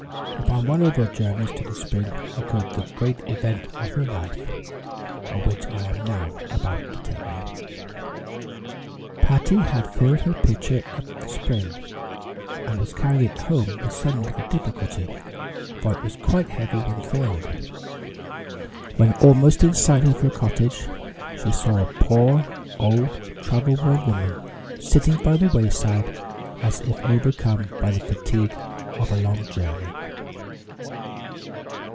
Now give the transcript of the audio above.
Upon one of her journeys to the spring, occurred the great event of her life, of which I am now about to tell you. Patty had filled her pitcher at the spring, and was carrying it home with some little difficulty, for it was quite heavy when filled. When almost in sight of her cottage, she saw a poor, old, travel worn woman sitting by the wayside, as if overcome by the fatigue of a long journey.